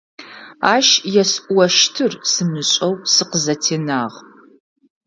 Ащ есӀощтыр сымышӀэу сыкъызэтенагъ.